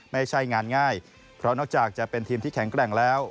ไม่ใช่งานง่ายเพราะนอกจากจะเป็นทีมที่แข็งแกร่งแล้ว